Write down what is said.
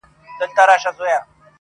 • حافظه يې له ذهن نه نه وځي..